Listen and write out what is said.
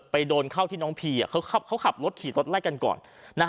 โดนเข้าที่น้องพีเขาขับรถขี่รถไล่กันก่อน